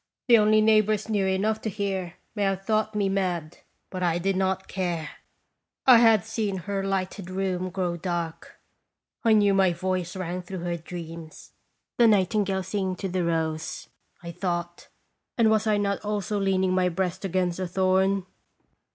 The only neighbors near enough to hear may have thought me mad, but I did not care. I had "Sir* tlje IDeab ?Dea5?" 299 seen &?r lighted room grow dark ; I knew my voice rang through her dreams. The nightingale singing to the rose, I thought ; and was I not also leaning my breast against a thorn